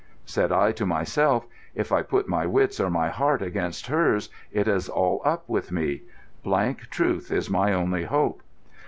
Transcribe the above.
Said I to myself, "If I put my wits or my heart against hers it is all up with me. Blank truth is my only hope."